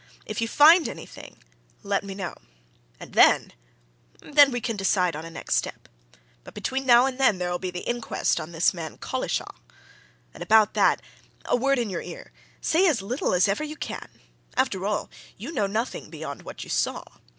If you find anything, let me know. And then then we can decide on a next step. But between now and then, there'll be the inquest on this man Collishaw. And, about that a word in your ear! Say as little as ever you can! after all, you know nothing beyond what you saw.